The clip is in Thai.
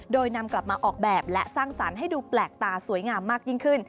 โดยนำกลับมาออกแบบและสร้างสรรค์ให้ดูแปลกตาสวยงามมากยิ่งขึ้น